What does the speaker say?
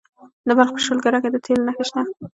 د بلخ په شولګره کې د تیلو نښې شته.